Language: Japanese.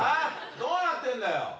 どうなってんだよ！